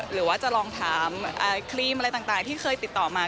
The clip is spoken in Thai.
หรือว่าจะลองถามครีมอะไรต่างที่เคยติดต่อมา